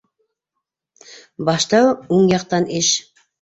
Башта уң яҡтан иш!